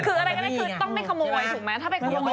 คือต้องไม่ขโมยถูกไหมถ้าไปขโมยไปก็